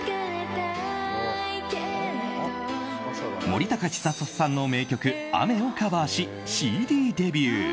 森高千里さんの名曲「雨」をカバーしＣＤデビュー。